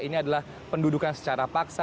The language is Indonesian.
ini adalah pendudukan secara paksa